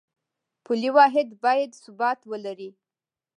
پولي واحد باید ثبات ولري